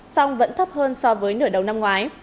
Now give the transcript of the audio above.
song vẫn thấp hơn so với nửa đầu năm ngoái